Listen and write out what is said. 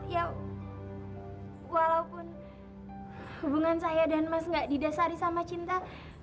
ya walaupun hubungan saya dan mas gak didasari sama cinta